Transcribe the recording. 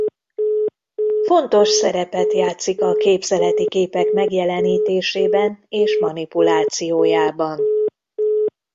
Fontos szerepet játszik a képzeleti képek megjelenítésében és manipulációjában.